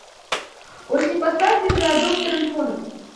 Уж не послать ли за доктором в город?